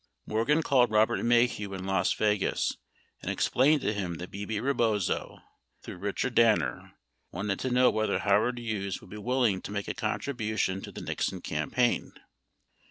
22 Morgan called Robert Maheu in Las Yegas and explained to him that Bebe Rebozo, through Richard Danner, wanted to know whether Howard Hughes would be willing to make a contribution to the Nix on campaign.